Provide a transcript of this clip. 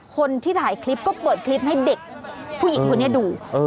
คนที่ถ่ายคลิปก็เปิดคลิปให้เด็กผู้หญิงคนนี้ดู